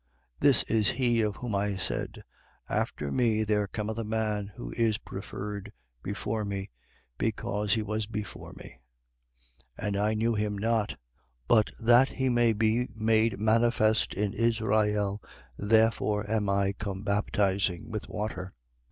1:30. This is he of whom I said: After me there cometh a man, who is preferred before me: because he was before me. 1:31. And I knew him not: but that he may be made manifest in Israel, therefore am I come baptizing with water. 1:32.